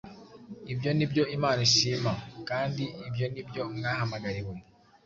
ibyo ni byo imana ishima: kandi ibyo ni byo mwahamagariwe,